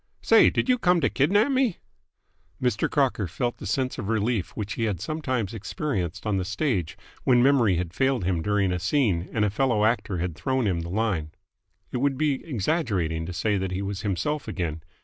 "Say, did you come to kidnap me?" Mr. Crocker felt the sense of relief which he had sometimes experienced on the stage when memory had failed him during a scene and a fellow actor had thrown him the line. It would be exaggerating to say that he was himself again.